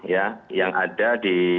ya yang ada di